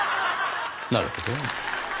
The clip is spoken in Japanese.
なるほど。